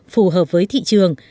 phù hợp với thị trường